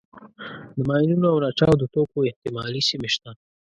د ماینونو او ناچاودو توکو احتمالي سیمې شته.